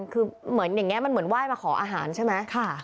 คือเหมือนอย่างนี้มันเหมือนไหว้มาขออาหารใช่ไหม